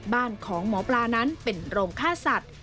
บ้านของหมอปลานั้นเป็นโรงฆ่าสัตว์